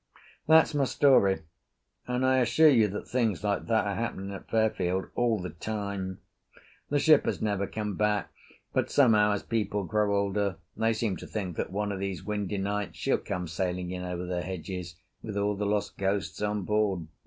That's my story, and I assure you that things like that are happening at Fairfield all the time. The ship has never come back, but somehow as people grow older they seem to think that one of these windy nights she'll come sailing in over the hedges with all the lost ghosts on board.